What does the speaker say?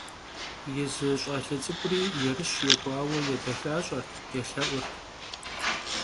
Yêzı ş'ale ts'ık'uri yêrış yêk'uaue yêdexaş'ert, yêlhe'urt.